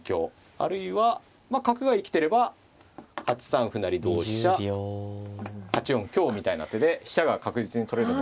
あるいは角が生きてれば８三歩成同飛車８四香みたいな手で飛車が確実に取れるので。